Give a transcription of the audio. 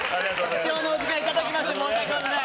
貴重なお時間いただきまして申し訳ない。